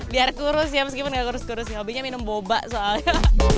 biar kurus ya meskipun gak kurus kurus hobinya minum boba soalnya